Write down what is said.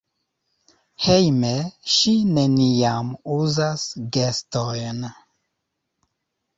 Hejme ŝi neniam uzas gestojn.